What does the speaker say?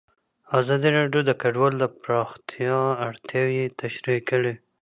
ازادي راډیو د کډوال د پراختیا اړتیاوې تشریح کړي.